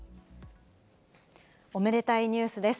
おめでたいニュースです。